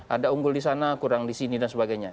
ada unggul disana kurang disini dan sebagainya